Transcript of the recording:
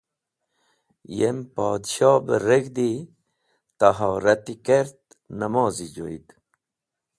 Yem [Podshoh] be reg̃hdi, tohrati kert, namozi joyd.